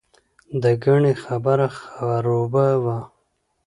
دګنې خبره خروبه وه.